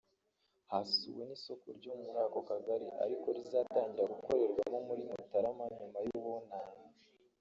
Hasuwe n’isoko ryo muri ako kagari ariko rizatangira gukorerwamo muri Mutarama nyuma y’ubunani